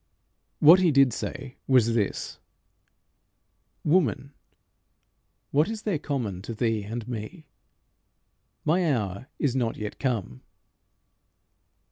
What he did say was this "Woman, what is there common to thee and me? My hour is not yet come."